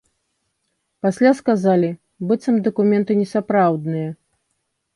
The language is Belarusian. Пасля сказалі, быццам дакументы несапраўдныя.